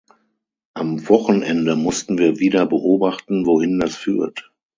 Am Wochenende mussten wir wieder beobachten, wohin das führt.